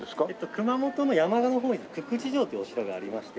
熊本の山鹿の方に鞠智城というお城がありまして。